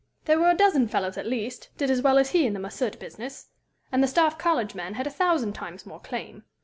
There were a dozen fellows, at least, did as well as he in the Mahsud business. And the Staff College man had a thousand times more claim."